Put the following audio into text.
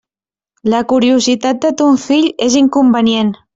La curiositat de ton fill és inconvenient.